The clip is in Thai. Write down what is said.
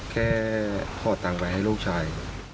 แค่ขอตังไปให้ลูกชาย